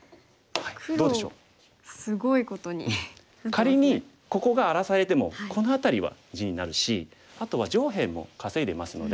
仮にここが荒らされてもこの辺りは地になるしあとは上辺も稼いでますので。